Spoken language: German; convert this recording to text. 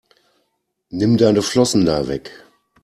Nimm deine Flossen da weg!